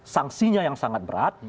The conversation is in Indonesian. sanksinya yang sangat berat